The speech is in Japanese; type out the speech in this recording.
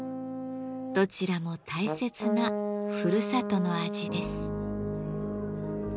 どちらも大切なふるさとの味です。